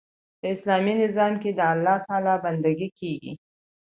په اسلامي نظام کښي د الله تعالی بندګي کیږي.